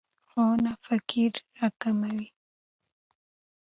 ښوونه فقر راکموي.